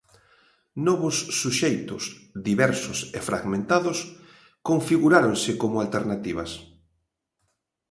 Novos suxeitos, diversos e fragmentados, configuráronse como alternativas.